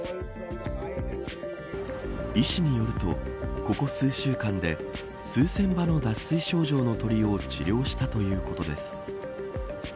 医師によると、ここ数週間で数千羽の脱水症状の鳥を治療したということです。